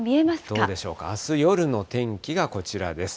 どうでしょうか、あす夜の天気がこちらです。